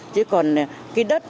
chứ còn cái đất